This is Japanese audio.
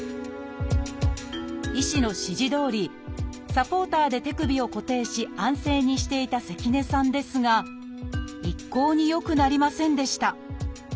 医師の指示どおりサポーターで手首を固定し安静にしていた関根さんですが一向に良くなりませんでした。